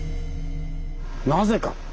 なぜか。